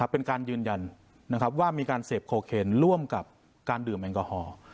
เป็นการยืนยันว่ามีการเสพโคเคนร่วมกับการดื่มแอลกอฮอล์